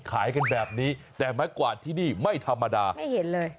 ขายกันแบบนี้แต่ไม้กวาดที่นี่ไม่ธรรมดาไม่เห็นเลย